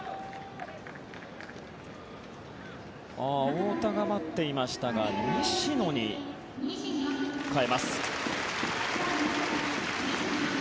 太田が待っていましたが西野に代えます。